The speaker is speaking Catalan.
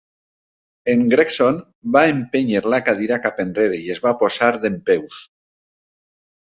En Gregson va empènyer la cadira cap enrere i es va posar dempeus.